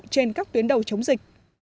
trên các tuyến đầu chống dịch